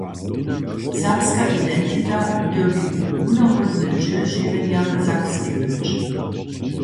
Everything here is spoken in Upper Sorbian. Serbska identita dyrbi runohódny dźěl žiwjenja w Sakskej być.